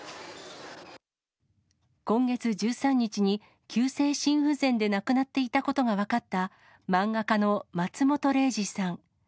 今月１３日に、急性心不全で亡くなっていたことが分かった漫画家の松本零士さん。